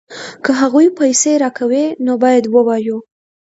که هغوی پیسې راکوي نو باید ووایو